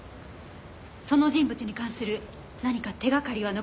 その人物に関する何か手掛かりは残っていませんか？